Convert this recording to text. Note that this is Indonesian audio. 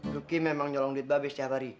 luki memang nyolong duit ba be setiap hari